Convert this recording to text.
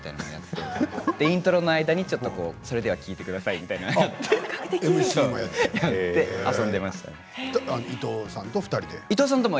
それでイントロの間で聴いてくださいみたいな感じで伊藤さんと２人で？